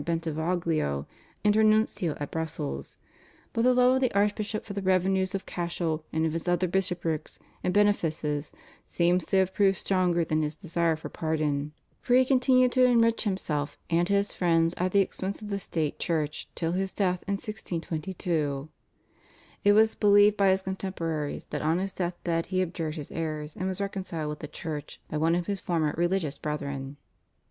Bentivoglio, inter nuncio at Brussels, but the love of the archbishop for the revenues of Cashel and of his other bishoprics and benefices seems to have proved stronger than his desire for pardon, for he continued to enrich himself and his friends at the expense of the State Church till his death in 1622. It was believed by his contemporaries that on his death bed he abjured his errors, and was reconciled with the Church by one of his former religious brethren.